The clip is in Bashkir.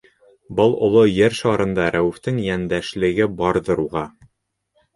Был оло Ер шарында Рәүефтең йәндәшлеге барҙыр уға.